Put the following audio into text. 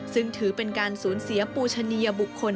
ซึ่งถือเป็นการสูญเสียปูชะเนียบุคคล